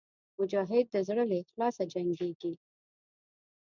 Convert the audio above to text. مجاهد د زړه له اخلاصه جنګېږي.